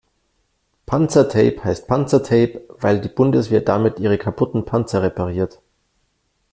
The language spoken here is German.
Panzertape heißt Panzertape, weil die Bundeswehr damit ihre kaputten Panzer repariert.